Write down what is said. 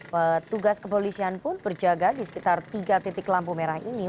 petugas kepolisian pun berjaga di sekitar tiga titik lampu merah ini